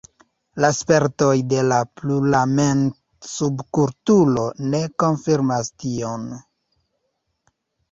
La spertoj de la pluramem-subkulturo ne konfirmas tion.